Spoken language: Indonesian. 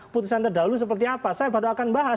putusan terdahulu seperti apa saya baru akan bahas